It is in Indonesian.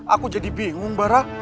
aku jadi bingung baron